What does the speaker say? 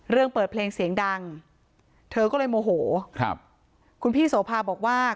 เรื่องเปิดเพลงเสียงดังเธอก็เลยโมโหครับคุณพี่โสภาบอกว่า